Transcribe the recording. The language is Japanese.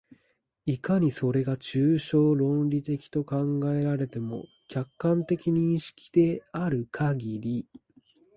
いかにそれが抽象論理的と考えられても、客観的認識であるかぎり、